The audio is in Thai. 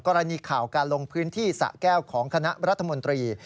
กรณีข่าวการลงพื้นที่สะแก้วของคณะรัฐมนตรี